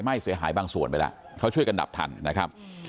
เสียหายบางส่วนไปแล้วเขาช่วยกันดับทันนะครับ